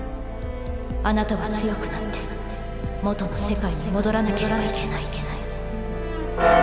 あなたは強くなって元の世界に戻らなければいけない。